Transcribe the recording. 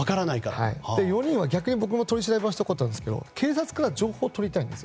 ４人は逆に、僕も取り調べをしたことあるんですが警察から情報を取りたいんです。